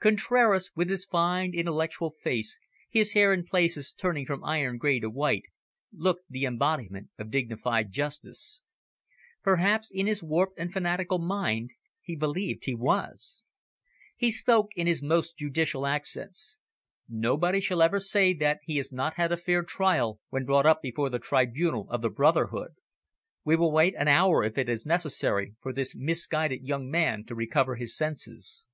Contraras, with his fine intellectual face, his hair in places turning from iron grey to white, looked the embodiment of dignified justice. Perhaps, in his warped and fanatical mind, he believed he was. He spoke in his most judicial accents. "Nobody shall ever say that he has not had a fair trial, when brought up before the tribunal of the brotherhood. We will wait an hour, if it is necessary, for this misguided young man to recover his senses."